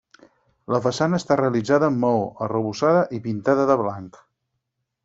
La façana està realitzada amb maó, arrebossada i pintada de blanc.